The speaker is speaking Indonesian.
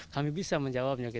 kami bisa menjawabnya